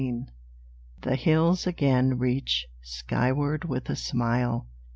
Dawn The hills again reach skyward with a smile.